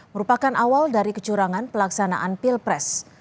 merupakan awal dari kecurangan pelaksanaan pilpres